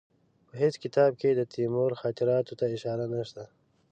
په هېڅ کتاب کې د تیمور خاطراتو ته اشاره نشته.